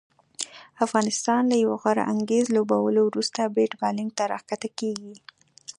افغانستان له یو غوره اننګز لوبولو وروسته بیت بالینګ ته راښکته کیږي